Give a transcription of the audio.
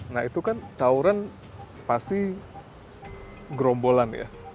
nah itu kan tauran pasti gerombolan ya